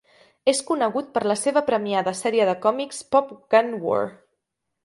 És conegut per la seva premiada sèrie de còmics "Pop Gun War".